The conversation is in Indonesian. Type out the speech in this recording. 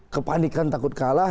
kepanikan takut kalah